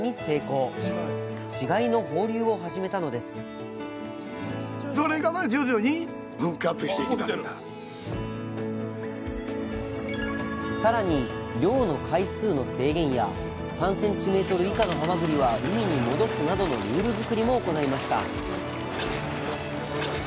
三重県の水産試験場と協力し更に漁の回数の制限や３ｃｍ以下のはまぐりは海に戻すなどのルール作りも行いました